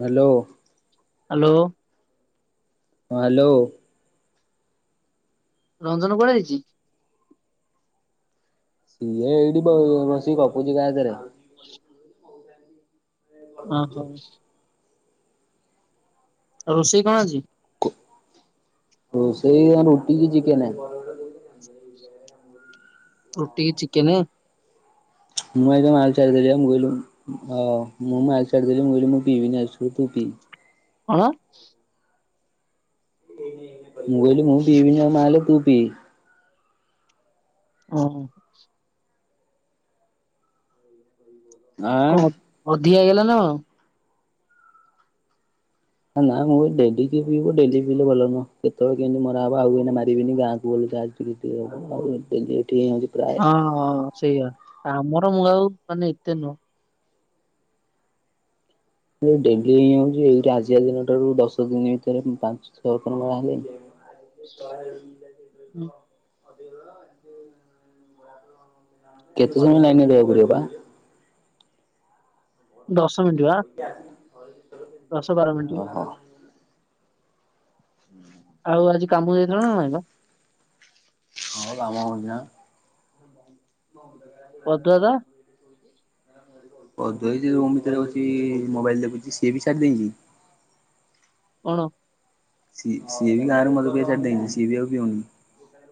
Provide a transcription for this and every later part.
Hello. Hello. ହଁ hello. Ranjan କୁଆଡେ ଯାଇଛି? ସିଏ ଏଇଠି ବ ବସିକ ଗପୁଛି କାହାଜରେ। ଓ ହୋ ରୋଷେଇ କଣ ଆଜି? ରୋସେଇ ଆ ରୁଟିିକି ଚିକେନ। ରୁଟି କି ଚିକେନ? ମୁଁ [unintelligible] ମୁଁ କହିଲି ମୁଁ ପିଇ ବିନି ଆଜିଠୁ ତୁ ପି। କଣ? ମୁଁ କହିଲି ମୁଁ ପି ବିନି ଆଉ ମାଲ୍ ତୁ ପି। ଉଁ ହୁଁ। ଆଁ। କଣ ଅଧିକା ହେଇଗଲା ନା କଣ? ନା ମୁଁ ଡେଲିି କିଏ ପିଇବ ଡେଲି ପିଲେ ଭଲ ନୁହଁ କେତେବେଳେ କେମିତି ମରା ହବ ଆଉ ଏଇନା ମାରିବିନି ଗାଁକୁ ଗଲେ ଯା [unintelligible] ହଁ ସେଇଆ ଆମର ମୁଁ ଆଉ ମାନେ ଏତେ ନୁହଁ। ଡେଲି ହଉଛି ଏଇଟା ଆଜିିକା ଦିନ ଠାରୁ ଦଶ ଦିନ ଭିତରେ ପାଞ୍ଚ ଛଅ ଥର ମରା ହେଲାଣି। [inaudible] ହୁଁ। କେତେ ସମୟ ଲାଇନ୍ ରହିବାକୁ ପଡିବ ବା। ଦଶ ମିନିଟ୍ ବା। ଟା [unintelligible] ଦଶ ବାର ମିନିଟ। [inaudible] ଆଉ ଆଜି କାମ ଯାଇଥିଲ ନା ନାହିଁ ବା? ହଁ କାମ [unintelligible] ପଦୁଆ ଦା [inaudible] ଅଧହି ଯେ ରୁମ୍ ଭିତରେ ଅଛି ମୋବାଇଲ ଦେଖୁଛି ସିଏ ବି ଛାଡ଼ି ଦେଇଛି। କଣ? ସି ସିଏବି ଗାଁରେ ମଦ ପିଇବା ଛାଡ଼ି ଦେଇଚି ସିଏବି ଆଉ ପିଉନି।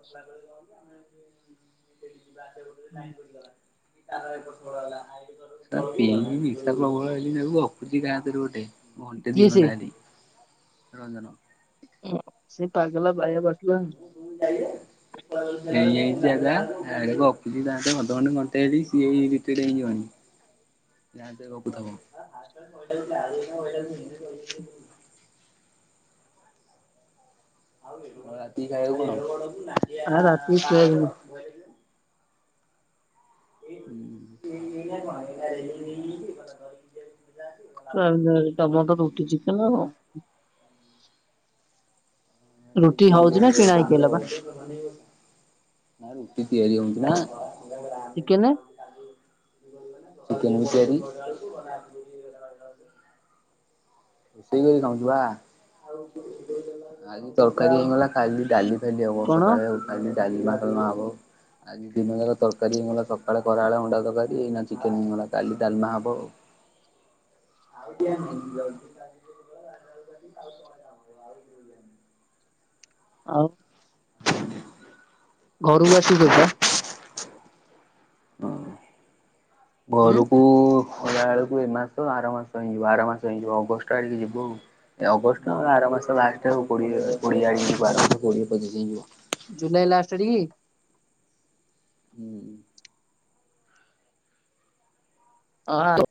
[inaudible] [inaudible] ତା ପିଏଇକି ନିଶା ପ୍ରବଳ ହେଟି ଗୋପୁଚି କାହା ସହିତ ଗୋଟେ। ଘଣ୍ଟେ କିଏ ଦି ସେ? ଘଣ୍ଟା ହେଟି ରଞ୍ଜନ। ହ ସେ ପାଗଲା ବାୟା ବାସୁଆ। ମୁ ଯାଇବେ। ହେଇଯାଇଛି ଆ ଯା ହା ଗପୁଚି ତା ସହ ଅଧ ଘଣ୍ଟେ ଘଣ୍ଟେ ହେଇଟି ସିଏବି ଇରିଟେଡ଼ ହେଇଯିବଣିି। [inaudible] ଯାହେନେ ଟିକେ ଗପୁଥିବ [unintelligible] ଆଉ ରାତିକି ଖାଇବାକୁ କଣ? ର ରାତି ସୋୟାବିନ। [unintelligible] [unintelligible] ସନ୍ଧ୍ୟାବେଳେ ତମର ତ ରୁଟି ଚିକେନ ଆଉ। ରୁଟି ହଉଛି ନା କିଣା ହେକିଲ ବା। ନା ରୁଟି ତିଆରି ହଉଚି ନା। ଚିକେନ ଚିକେନ ବିି ତିଆରି। ରୋଷେଇ କରି ଖାଉଁଚୁ ଆ ଆଜି ତରକାରୀ ହେଇଗଲା। କାଲି ଡ଼ାଲି ଫାଲି ହବ କଣ ସକାଳେ କାଲି ଡାଲି ଭାତ ହବ। ଆଜି ଦିନ ଯାକ ତରକାରୀ ଇଙ୍ଗ ସକାଳେ ଖରାଏଳେ ଅଣ୍ଡା ତରକାରୀ ଏଇନେ ଚିକେନ ହେଇଗଲା କାଲି ଡ଼ାଲମା ହବ ଆଉ। [inaudible] [unintelligible] ଆଉ ଘରୁକୁ ଆସିବୁ କେବେ ବା? ହୁଁ ଉଁ ଘରକୁ ଖରା ବେଳକୁ ଏ ମାସ ଆର ମାସ ହେଇଯିବ ଆର ମାସ ହେଇଯିବ ଅଗଷ୍ଟ ଆଡ଼ିକି ଯିବୁ ଆଉ। ଅଗଷ୍ଟ ଆର ମାସ ଲାଷ୍ଟ ଆଡ଼କୁ କୋଡ଼ିଏ କୋଡ଼ିଏ ଆଡ଼ିକି ଆର ମାସ କୋଡ଼ିଏ ତାରିକି ଯାଇଁ ଯିବୁ। ଜୁଲାଇ ଲାଷ୍ଟ ଆଡ଼ିକି? ହୁଁ। ହଁ।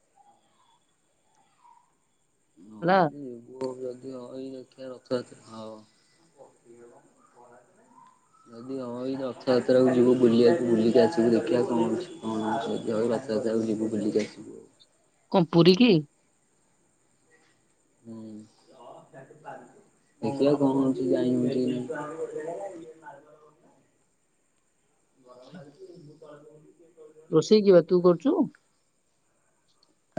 ହେଲା। [unintelligible] [inaudible] [inaudible] ଯଦି ହବ ଏଇ ରଥଯାତ୍ରା କୁ ଯିବୁ ବୁଲିବାକୁ ବୁଲିକି ଆସିବୁ ଦେଖିବା କଣଛି କଣ [unintelligible] ତାକୁ ଯିବୁ ବୁଲିକି ଆସିବୁ। କଣ ପୁରୀ କି? ହୁଁ ଅ ଦେଖିଆ କଣ ହଉଚି ଜାଇ ହଉଛି କି ନାଇଁ? [inaudible] ରୋଷେଇ କିଏ ବେ ତୁ କରୁଛୁ?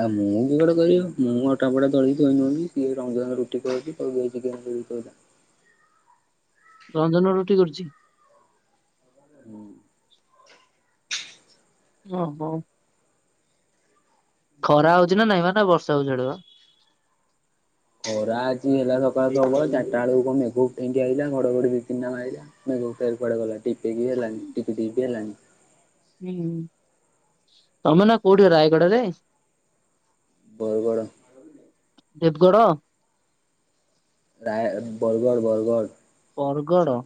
ଆଉ ମୁଁ ବି ଗଡେ କରିବ ମୁଁ ଅଟାପଟା ଦଳିକି [unintelligible] ରଞ୍ଜନ ରୁଟି କରୁଛି। ହୁଁ। ଓହୋ। ଖରା ହଉଛି ନା ନାଇଁ ବା ନା ବର୍ଷା ହଉଛି ସେଆଡ଼େ ବା? ଖରା ଆଜି ହେଲା ସକାଳୁ ପ୍ରବଳ ଚାରିଟା ବେଳକୁ ତ ମେଘ ଉଠେଇକି ଆଇଲା ଘଡଘଡି ଦି ତିନିଟା ମାଇଲା। ମେଘ ଫେର କୁଆଡ଼େ ଗଲା ଟିକଟିକ ହେଲାଣି ଟିପିଟିପି ହେଲାଣି। ହୁଁ ତମେ ନା କୋଉଠି ରାୟଗଡରେ? ବରଗଡ଼। ଦେବଗଡ଼। ରା ବର୍ଗଡ଼ ବର୍ଗଡ଼। ବରଗଡ଼।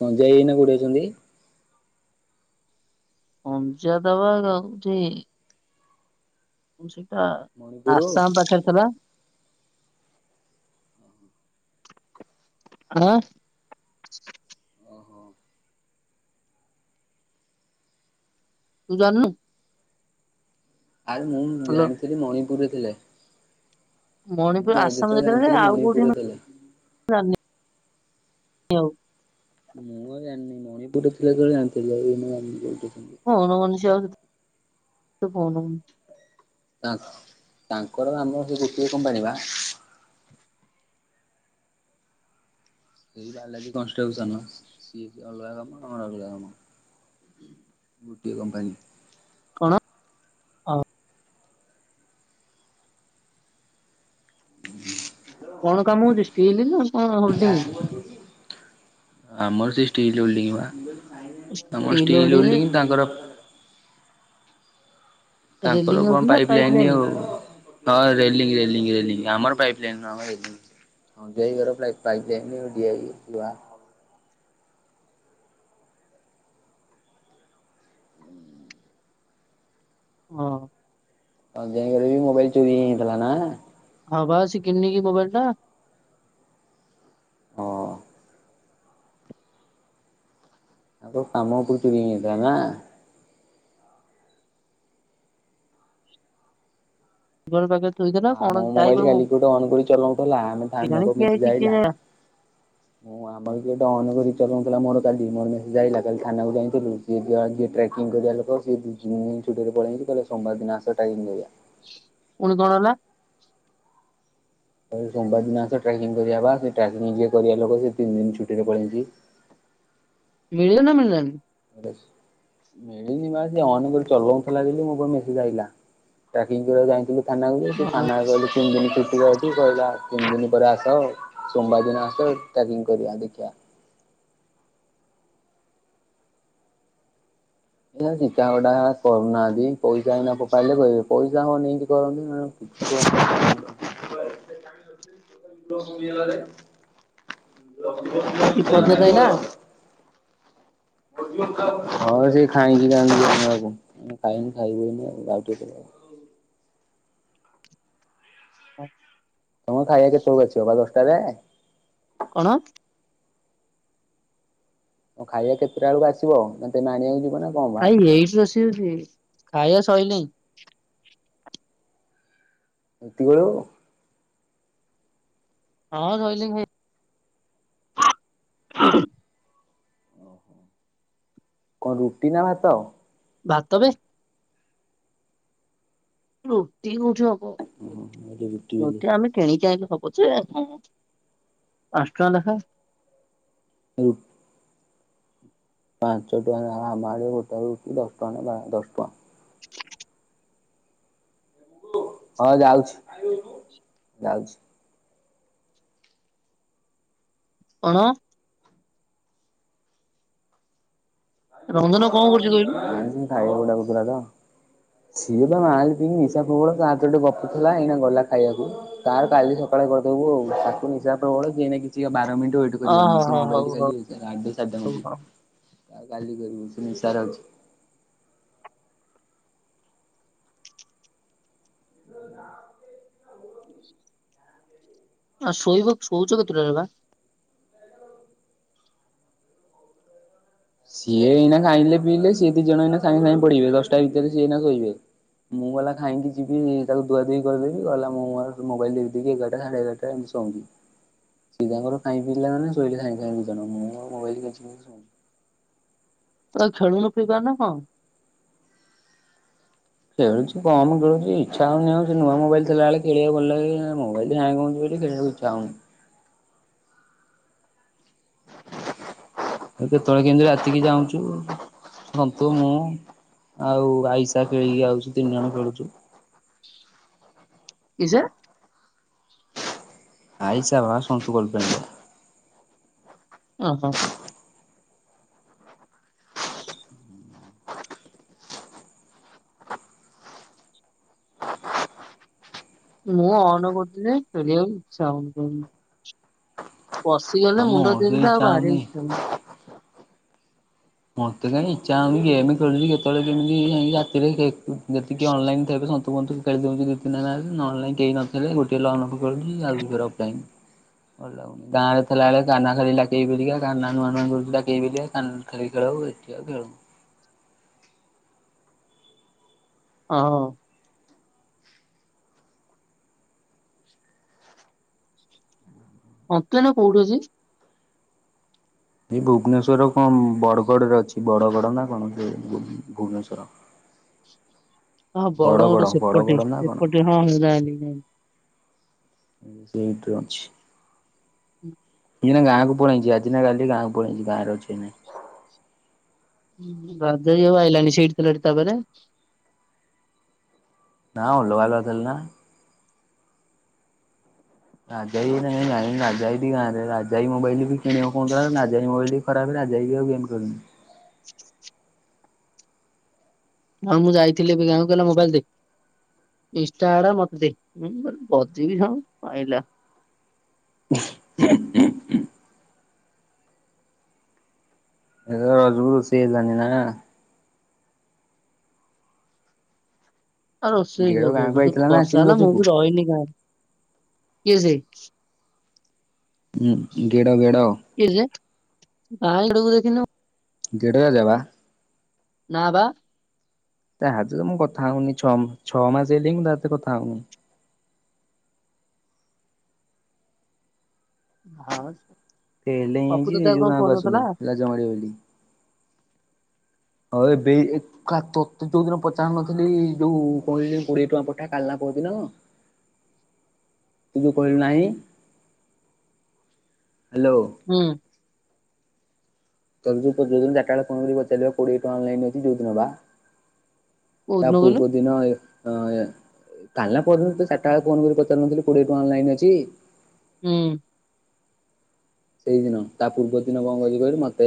ସଞ୍ଜୟ ଏଇନା କୋଉଠି ଅଛନ୍ତି? ପଞ୍ଚାତ ପା ରହୁଚି ସେଇଟା ମଣିପୁର ଆସାମ ପାଖରେ ଥିଲା। ହଁ। ଓହୋ। ତୁ ଜାଣିନୁ ଆରେ ମୁଁ ହାଲୋ। ଜାଣିଥିଲି ମଣିପୁର ରେ ଥିଲେ। ମୁଁ ମଣିପୁର ଆସାମ ଯେତେବେଳେ ଜାଣିଥିଲି [unintelligible] ଆଉ କୋଉଠି ମଣିପୁରରେ ମୁ ଥିଲେ। ଜାଣିନି ଆଉ ମୁଁ ଆଉ ଜାଣିନି ମଣିପୁର ରେ ଥିଲା ଯେତେବେଳେ ଜାଣିଥିଲ, ଆଉ ମୁଁ ଜାଣିନି କୋଉଠି ଅଛନ୍ତି। ଫୋନ କରୁନି ସିଏ ଆଉ, ତ ଫୋନ କରୁନି ତାଙ୍କର ଆମର ସେ ଗୋଟିଏ କମ୍ପାନୀ ବା। ସେଇ ଯୋଉ ବାଲାଜୀ କନଷ୍ଟ୍ରୋକସନ ସିଏ ଅଲଗା କାମର ଅଲଗା କାମ। ଗୋଟିଏ କମ୍ପାନୀ। କଣ? ଅ [inaudible] କଣ କାମ ହଉଛି ଷ୍ଟିଲ ନା କଣ ହୋଲ୍ଡିଙ୍ଗ? ଆମର ସେ ଷ୍ଟିଲ ହୋଲ୍ଡିଙ୍ଗ ବା, ତମର ଷ୍ଟିଲ ହୋଲ୍ଡିଙ୍ଗ ତାଙ୍କର ରେଲିଂ ତାଙ୍କର ହଉଛି କଣ ନା ପାଇପ ଲାଇନ ଆଉ। ହଁ ରେଲିଂ ରେଲିଂ ରେଲିଂ ଆମର ପାଇପ ଲାଇନ ଆମ ରେଲିଁ। ହଁ ଦେଇ ଘର ପାଇପଲାଇନ ଦୀଆ ହେଇଯାଇଛି ବା। ହଁ। ହଉ [unintelligible] ବି ମୋବାଇଲ ଚୋରି ହେଇଥିଲା ନା। ହଁ ବା ସେ କିଣିନୀ କି ମୋବାଇଲଟା। ହଁ। ଆଙ୍କ କାମ ଉପରୁ ଚୋରି ହେଇଯାଇଥିଲା ନା। ପାଖେ ଥୋଇଥିଲା ଆ ମୋ କଣ ମୋବାଇଲ ଯାଇନ କାଲି କିଏ ଗୋଟେ ଅନ୍ କରି ଚଲଉଥିଲା ଆମେ ମୋ କେଜାଣି ପାଖକୁ କିଏ ମେସେଜ ହେଇଛି ଆଇଲା। କିଏ ଜ [inaudible] ମୁଁ ଆମର ଏଟେ ଅନ୍ କରି ଚଲାଉୁଥିଲା ମୋ କାଲି ମୋରେ ମେସେଜ ଆଇଲା କାଲି ଥାନାକୁ ଯାଇଥିଲୁ ସିଏ ଯ ଯିଏ ଟ୍ରେକିଂ କରିବା ଲୋକ ସେ ଦି ତିନି ଦିନ ଛୁଟିରେ ପଳେଇଛି ତାହେଲେ ସୋମବାର ଦିନ ଆସି ଟାଇପିଙ୍ଗ କରିବା ପୁଣି କଣ ହେଲା? ସୋମବାର ଦିନ ଆସ ଟ୍ରାକିଂ କରିବା ବା ସେ ଟ୍ରକିଂ ଯିଏ କରିବା ଲୋକ ସେ ତିନି ଦିନ ଛୁଟିରେ ପଳେଇଛି। ମିଳିଲା ନା ମିଳିଲାନି? ବେଶୀ ମିଳିନି ମା ସିଏ ଅନ କରି ଚଲଉଥିଲା ଜେ ମୋ ପାଖୁ ମେସେଜ ଆସିଲା ଟ୍ରାକିଙ୍ଗ କରିବାକୁ ଯାଇଥିଲୁ ଥାନାକୁ ଯ ଥାନା କହିଲେ ତିନି ଦିନ ଛୁଟି ଯାଉଛି କହିଲା ତିନି ଦିନ ପରେ ଆସ ଆଉ ସୋମବାର ଦିନ ଆସ ଟ୍ରାକିଙ୍ଗ କରିବା ଦେଖିବା ଏଇ ହିସାବ ଟା କରୁନାହାନ୍ତି ପଇସା ଏୟିନା ଫୋପାଡିଲେ କହିବେ ପଇସା ହ ନେଇକି କରନ୍ତି ନା [inaudible] କି ପଦ୍ଧତି ଆଇଲା [unintelligible] ହଁ ସେ ଖାଇକି ଜାନ୍ତି କାହାକୁ କାହିଁକି ଖାଇବନି ଆଉ ହଁ ତମେ ଖାଇବା କେତେ କୁ ବାଛି ବା ଦଶଟାରେ କଣ? ହଉ ଖାଇବା କେତେଟା ବେଳକୁ ଆସିବ ନା ତମେ ଆଣିବାକୁ ଯିବ ନା? କଣ ବା ଖାଇବି ଏଇଠି ରୋଷେଇ ହଉଛି ଖାଇବା ସଇିଲାହିଁ। ଏତିକି ବେଳୁ। ହଁ ରହିଲି ଭାଇ। [inaudible] କଣ ରୁଟି ନା ଭାତ? ଭାତ ବେ। ରୁଟି କୋଉଠି ହବ ଓହୋ ମୁଁ ଭାବିଲି ବୋଲି ରୁଟି ଆମେ କିଣି ଅଇଁଲୁ ହ ପଛେ ହଁ ହଁ ପାଞ୍ଚ ଟଙ୍କା ନେଖା। [unintelligible] ପାଞ୍ଚ ଟଙ୍କା ଆମଡ ଗୋଟା ହଉଛି ଦଶ ଟଙ୍କା ନା ପା ଦଶ ଟଙ୍କା। [inaudible] ହଁ ଯାଉଛି ଯାଉଛି। କଣ? ରଞ୍ଜନ କଣ କରୁଛି କହିଲୁ? ନାଇଁ ମୋ ଭାଈ ବୋହୁ ଡାକୁଥିଲା ତ। ସିଏ ପା ମାଲ ପିଇକି ନିଶା ପ୍ରବଳ କାହା ସହିତ ଗୋଟେ ଗପୁଥିଲା ଏଇନା ଗଲା ଖାଇବାକୁ। ତାର କାଲି ସକାଳେ କରିଦବୁ ଆଉ ତାକୁ ନିଶା ପ୍ରବଳ ସିଏ ଏଇନା କିଛି ବାର ମିନିଟ ୱେଟ୍ କରିବନି ଓହୋ ସେ ହୋ ହଉ ମୋବାଇଲି ହଉ ବାଲି ଆଡେ ସାଡେ ହଉ ବୁଲୁଚି ହଉ। ସେ କାଲି କରିବୁ ସେ ନିଶାରେ ଅଛି। [inaudible] ଆଉ ଶୋଇବ ଶୋଉଚ କେତୁଟାରେ ବା। ସିଏ ଏଇନା ଖାଇଲେ ପିଇଲେ ସି ଦିଜଣଇନା ସାଙ୍ଗେ ସାଙ୍ଗେ ପଡିବେ ଦଶଟା ଭିତରେ ସିଏଇନା ଶୋଇବେ। ମୁଁ ଗଲା ଖାଇକି ଯିବି ତାକୁ ଧୁଆ ଦୁଇ କରିଦବି ଗଲା ମୁଁ ମୋର ମୋବଲ ଦେଖି ଦେଖି ଏଗାରଟା ସାଢେ ଏଗାରଟା ଏମିତି ଶୋଉଁଚି। ସେ ତାଙ୍କର ଟାଇମ ମିଳିଲା ମାନେ ଶୋଇ ସାଙ୍ଗେ ସାଙ୍ଗେ ଦିଜଣ ମୁଁ ମୋର ମୋବାଇଲ କେଞ୍ଚି କେଞ୍ଚି ଶୋଉଚି। ତୁ ଆଉ ଖେଳୁନୁ ପିବାନା କଣ। ଖେଳୁଚି କମ ଖେଳୁଚି ଇଛା ହଉନି ଆଉ ସେ ନୂଆ ମୋବାଇଲଥିଲାବେଳେ ଖଳିବାକୁଲ ଭଲଲାଗେ ଏଇନା ମୋବାଇଲ ହ୍ୟାଙ୍ଗେ ହଉଚି ବୋଲି ଖେଳିବାକୁ ଇ ଯାଉନୁ। କେତେବେଳେ କେମିତି ରାତିକି ଯାଉଁଚୁ ଜନ୍ତୁ ମୁଁ। ଆଉ ଆଇସା ଖେଳିକି ଆଉଚୁ ତିନି ଜଣ ଖେଳୁଚୁ। କିଜେ ଆଇସା ବା ସନ୍ତୁ ଗଲଫ୍ରେଣ୍ଡ। ଅଁ ହଁ। ମୁଁ ଅନ୍ କରୁଥିଲି କରିବାିବାକୁ ଇଚ୍ଛା ହଉନି। ପଶିଗଲେ ହଁ ମୁଣ୍ଡ ମୋର ବି ଦେଇଥିଲେ ଇଚ୍ଛା ଆଉ ବାହାରି ବାକୁ ଇଚ୍ଛା ହଉନି। ମତେ କାଇଁ ଇଚ୍ଛା ହଉନି ଗେମ୍ ଖେଳୁଚି କେତେବେଳେ କେମିତିଇ ଯାଇକି ରାତିରେ ଗେମ ଯେତିକି ଅନଲାଇନ୍ ଥେବେ ସନ୍ତୁ ବନ୍ତୁ ଖେଳିଦଉଚନ୍ତି ଦି ତିନିଟା ଗାଁରେ ନହେଲେନାଇଁ କେହି ନ ଥିଲେ ଗୋଟିଏ ଲନ ଅଫ ଖେଳୁଚି ଯାଉଚି ଫେଣେ ଅଫ ଲାଇନ୍‌। ଭଲ ଲାଗୁନି ଗାଁରେ ଥିଲାବେଳେ କାହ୍ନା ଖେଳିଲା ଟିପି ହେରିକା କାହ୍ନା ନୂଆ ନୂଆ ଖେଳୁଥିଲା ଗେମ ଯେ କାହ୍ନା [unintelligible] ଏଠି ଆଉ ଖେଳୁନି। ହଅଁ। କପ୍ଲେନ୍ କୋଉଠି ଅଛି? ଏଇ ଭୁବନେଶ୍ଵର କଣ ବଡଗଡରେ ଅଛି, ବଡଗଡ ନା କଣ ସେ ଭୁ ଭୁବନେଶ୍ଵର। ହଁ ବଡଗଡ ସେପଟେ ବଡ଼ଗଡ଼ ନା କଣ ସେପଟେ ହଁ ହଁ ଯାଇଁଲି ଯାଇଁଲି। ସେଇଠ ଅଛି। ହୁଁ। ଏଇନା ଗାଁକୁ ପଳେଇଆଇଚି ଆଜି ନା କାଲି ଗାଁକୁ ପଳେଇଛି ଗାଁରେ ଅଛି ଅଇନାକେ। ରାଜା ଭାଇ ଆଉ ଆଇଲାଣି ସେଇଠି ଥିଲାଟି ତା ପାଖରେ? ନା ଅଲଗା ଅଲଗା ଥିଲେ ନା। ରାଜା ଭାଇ ଅଇନା ଯାଇ ଗାଁରେ ରାଜା ଭାଇ ଟି ଗାଁରେ ରାଜା ଭାଈ ମୋବାଇଲ କିଣିବ ବୋଲି କହୁଥିଲା। ରାଜାଭାଇ ମୋବାଇଲ୍ ଖରାପ ରାଜା ଭାଇବି ଆଉ ଗେମ୍ ଖେଳୁନି। ହଁ ମୁଁ ଯାଇଥିଲି ଏବେ ଗାଁକୁ କହିଲା ମୋବାଇଲ ଦେ। ଇନଷ୍ଟା ଆଡା ମତେ ଦେ ମୁଁ କହିଲି, ବଜେଇବି ଶଳାକୁ ଆଇଲା। ଏଥର ରଜକୁ ରୋଷେଇ ହେଲାନି ନା? ଆଉ ରୋଷେଇ ଗେଡ କଉଠି ଗାଁକୁ ହେଲା, ଆଇଥିଲା ନା ବର୍ଷା ଆସିନି ହେଲା ମୁଁ ରଜକୁ। ବି ରହିନି ଗାଁରେ କିଏ ସେ? ହୁଁ ଗେଡ଼, ଗେଡ଼। କିଏ ଯେ, [inaudible] ଗେଡ଼ ରାଜା ବା। ନା ବା। ତା ସହିତ ମୁଁ କଥା ହଉନି ଛଅ ମା ଛଅ ମାସ ହେଇଲେ ବି ମୁଁ ତା ସହ କଥା ହଉନି। ହଁ। ଫେଲ୍ ପପୁ ହେଇଛି ତତେ ସେଇ ଆଉ ଯୋଗୁ କଣ ଫୋନ ଗାଁକୁ କରିଥିଲା ଆସୁନି ଲାଜ ମାଡିବ ବୋଲି କି। ହଁ ଏବେ ଏଇ ତତେ ଯୋଉ ଦିନ ପଚାରୁ ନଥିଲି ଯୋଉ କଣ କୋଡିଏ ଟଙ୍କା ପଠା କାଲି ନା ପରଦିନ ତୁ ଯୋଉ କହିଲୁ ନାହିଁ। ହ୍ୟାଲୋ। ହୁଁ। ସ [unintelligible] କୋଉ ତା ଦିନ କହିଲୁ ପୂର୍ବ ଦିନ ହଁ କାଲି ନା ପରଦିନ ତତେ ଚାରିଟା ବେଳେ ଫୋନ କରି ପଚାରୁନଥିଲି କୋଡିଏ ଟଙ୍କା ଅନଲାଇନ୍ ଅଛି। ହୁଁ। ସେଇଦିନ ତା ପୂର୍ବ ଦିନ କଣ କହିଲି କହିଲୁ ମତେ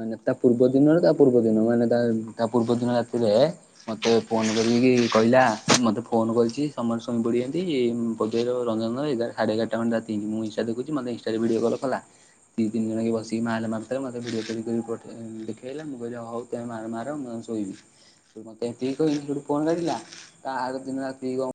ମାନେ ତା ପୂର୍ବ ଦିନରେ ତା ପୂର୍ବ ଦିନ ମାନେ ତା ତା ପୂର୍ବ ଦିନ ରାତିରେ ମତେ ଫୋନ କରିକି କହିଲା ମତେ ଫୋନ କରିଛି ସମସ୍ତ ଶଇ ପଡିଛନ୍ତି କହୁଛି ରଞ୍ଜନ ଭାଇ ସାଢ଼େ ଏଗୋରଟା ରାତି ହେଇଛି ମୁଁ ଇନଷ୍ଟା ଦେଖୁଛି ମତେ ଭିଡିଓ କଲା। ଦି ତିନି ଜଣକ ବସିକି ମାଲ୍ ମାରୁଥିଲେ ମତେ ଭିଡିଓ କଲ୍ କରି ପଠେଇ ଦେଖେଇଲା ମୁଁ କହିଲି ହଉ ମାଲ ମାର ମୁଁ ଯାଇଁ ଶୋଇବି। ମତେ ଏତିକି କହି ସେଠୁ ଫୋନ୍ କାଟିଲା, ତା ଆରଦିନ ରାତିକୁ